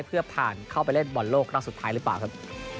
เพื่อผ่านเข้าไปเล่นบอลโลกครั้งสุดท้ายหรือเปล่าครับ